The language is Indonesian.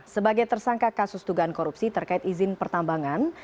sebagai tersangka kasus dugaan korupsi terkait izin pertambangan